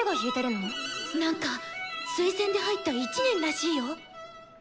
なんか推薦で入った１年らしいよ。